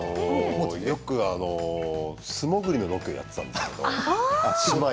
よく素もぐりのロケをやっていたんですね。